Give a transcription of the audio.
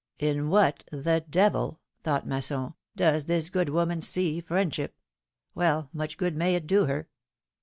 '^ In what, the devil ! thought Masson, does this good woman see friendship? Well, much good may it do her!